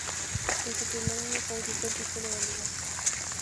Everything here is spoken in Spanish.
En su primer año conquista el título de Liga.